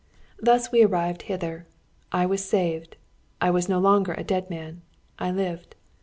Thus we arrived hither. I was saved. I was no longer a dead man. I lived.